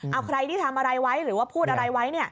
เอาใครที่ทำอะไรไว้หรือว่าพูดอะไรไว้